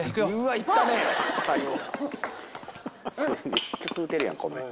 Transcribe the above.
めっちゃ食うてるやん米。